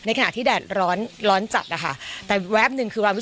ในขณะที่แดดร้อนร้อนจัดอ่ะค่ะ